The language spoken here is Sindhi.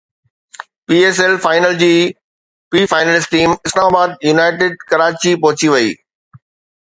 پي ايس ايل فائنل جي ٻي finalist team Islamabad United Karachi پهچي وئي